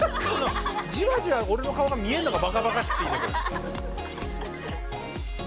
じわじわ俺の顔が見えるのがばかばかしくていいね。